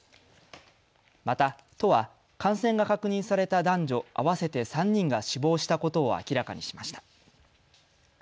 また都は感染が確認された男女合わせて３人が死亡したことを明らかにしました。